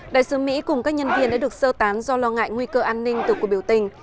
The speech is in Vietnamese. đại sứ mỹ cùng các nhân viên đã được sơ tán do lo ngại nguy cơ an ninh từ cuộc biểu tình